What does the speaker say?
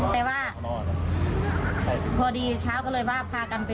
แต่ว่าพอดีเช้าก็เลยว่าพากันไป